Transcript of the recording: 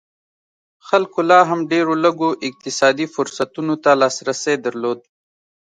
خلکو لا هم ډېرو لږو اقتصادي فرصتونو ته لاسرسی درلود.